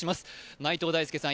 内藤大助さん